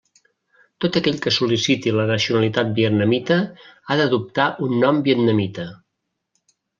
Tot aquell que sol·liciti la nacionalitat vietnamita ha d'adoptar un nom vietnamita.